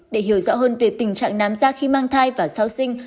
để hiểu rõ hơn về tình trạng nám da khi mang thai và sau sinh